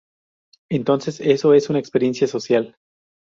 Entonces eso es una experiencia social".